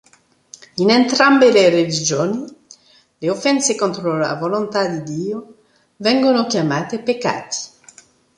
In entrambe le religioni, le offese contro la Volontà di Dio vengono chiamate "peccati".